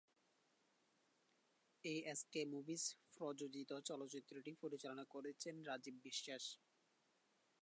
SK movies প্রযোজিত চলচ্চিত্রটি পরিচালনা করেছেন রাজিব বিশ্বাস।